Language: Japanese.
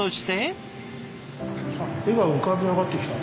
絵が浮かび上がってきた。